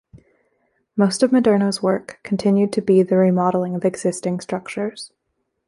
Most of Maderno's work continued to be the remodelling of existing structures.